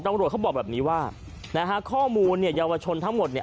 เขาบอกแบบนี้ว่านะฮะข้อมูลเนี่ยเยาวชนทั้งหมดเนี่ย